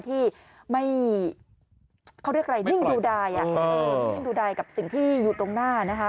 ที่ไม่เน่งดูดายกับสิ่งที่อยู่ตรงหน้า